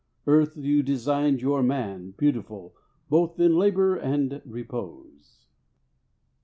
.. Earth, you designed your man Beautiful both in labour, and repose.